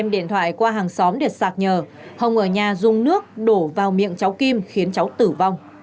điện thoại qua hàng xóm để sạc nhờ hồng ở nhà dùng nước đổ vào miệng cháu kim khiến cháu tử vong